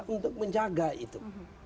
untuk menjaga itu